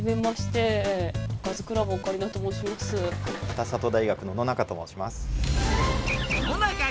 北里大学の野中と申します。